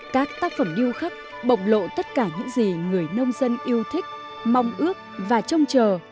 các tác phẩm điêu khắc bộc lộ tất cả những gì người nông dân yêu thích mong ước và trông chờ